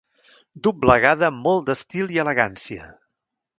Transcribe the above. Doblegada amb molt d'estil i elegància.